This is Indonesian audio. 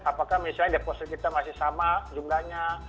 apakah misalnya deposit kita masih sama jumlahnya